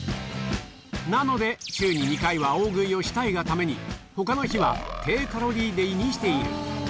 なので、週に２回は大食いをしたいがために、ほかの日は低カロリーデーにしている。